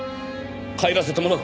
帰らせてもらう。